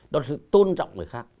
đó là sự tôn trọng